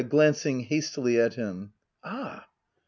[Glandf^ hastily at him.] Ah